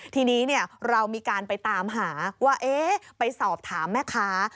ทีนี้เรามีการไปตามหาว่าไปสอบถามแม่ค้า